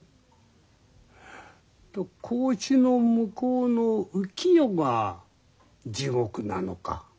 格子の向こうの浮き世が地獄なのか